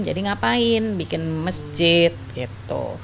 jadi ngapain bikin masjid gitu